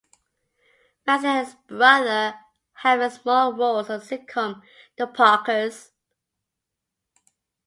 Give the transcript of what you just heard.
Massey and his brother have had small roles on the sitcom "The Parkers".